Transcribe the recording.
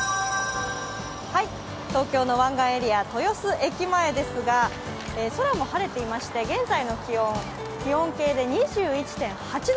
東京の湾岸エリア豊洲駅前ですが空も晴れていまして現在の気温、気温計で２１．８度。